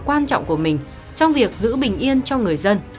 cảnh sát điều tra tội phạm của mình trong việc giữ bình yên cho người dân